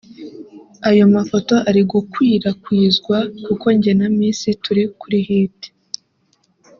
Ayo mafoto ari gukwirakwizwa kuko njye na Miss turi kuri hit